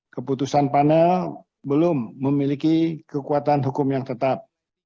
keputusan panel belum memiliki kekuatan hukum yang tetap